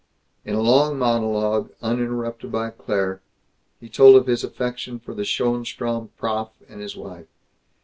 In a long monologue, uninterrupted by Claire, he told of his affection for the Schoenstrom "prof" and his wife.